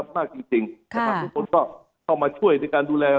มากจริงนะครับทุกคนก็เข้ามาช่วยในการดูแล